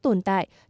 trong tình hình mới